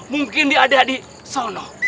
mungkin dia ada di solo